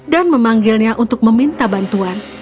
dan memanggilnya untuk meminta bantuan